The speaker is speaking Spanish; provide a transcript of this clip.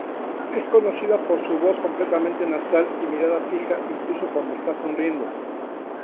Es conocida por su voz completamente nasal y mirada fija incluso cuando está sonriendo.